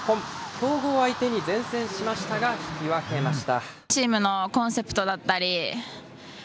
強豪相手に善戦しましたが、引き分けました。